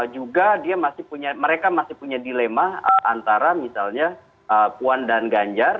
juga dia masih punya mereka masih punya dilema antara misalnya puan dan ganjar